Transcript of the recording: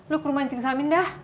lu ke rumah cing salmin dah